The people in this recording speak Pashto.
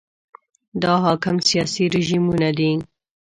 دا حاکم سیاسي رژیمونه دي.